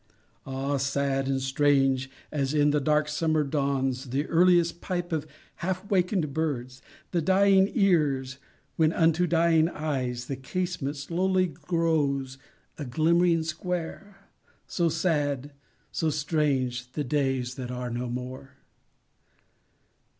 Ah, sad and strange as in dark summer dawns The earliest pipe of half awaken'd birds To dying ears, when unto dying eyes The casement slowly grows a glimmering square; So sad, so strange, the days that are no more.